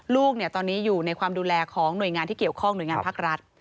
ลูกตอนนี้อยู่ในความดูแลของหน่วยงานที่เกี่ยวข้องหน่วยงานภาครัฐ